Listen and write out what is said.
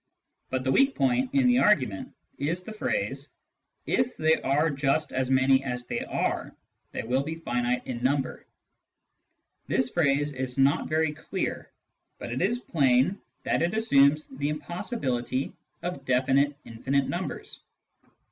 But the weak point in the argument is the phrase :" If they are just as many as they are, they will be finite in number." This phrase is not very clear, but it is plain that it assumes the impossibility of definite infinite numbers.